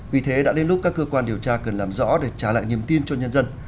vì thế đã đến lúc các cơ quan điều tra cần làm rõ để trả lại niềm tin cho nhân dân